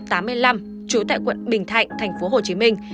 trú tại quận bình thạnh thành phố hồ chí minh